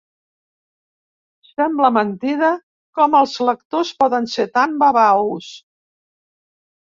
Sembla mentida com els lectors poden ser tan babaus.